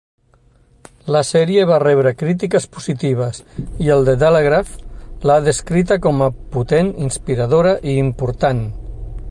La sèrie va rebre crítiques positives, i el The Telegraph la ha descrita com a potent, inspiradora i important.